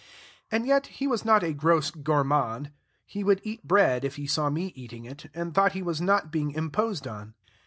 And yet he was not a gross gourmand; he would eat bread if he saw me eating it, and thought he was not being imposed on.